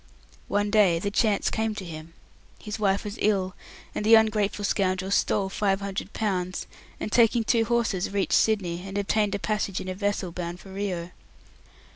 One day the chance came to him. His wife was ill, and the ungrateful scoundrel stole five hundred pounds, and taking two horses reached Sydney, and obtained passage in a vessel bound for Rio.